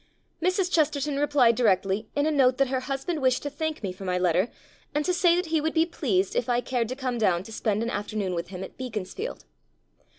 Mrs. Chesterton replied directly in a note that her hus band wished to thank me for my letter and to say that he would be pleased if I cared to come down to spend an af ternoon with him at Beaconsfield.